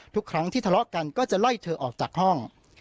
ทุกครั้งที่ทะเลาะกันก็จะไล่เธอออกจากห้อง